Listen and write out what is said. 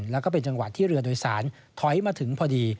แล้วก็เป็นจังหวะที่เรือโดยสารถอยมาถึงพอดี